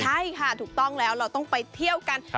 ใช่ค่ะถูกต้องแล้วเราต้องไปเที่ยวกัน